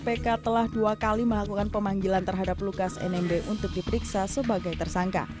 kpk telah dua kali melakukan pemanggilan terhadap lukas nmb untuk diperiksa sebagai tersangka